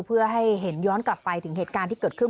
เพื่อให้เห็นย้อนกลับไปถึงเหตุการณ์ที่เกิดขึ้น